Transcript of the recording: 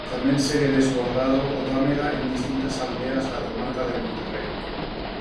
Tamén segue rebordado o Támega en distintas aldeas da comarca de Monterrei.